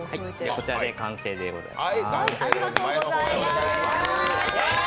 こちらで完成でございます。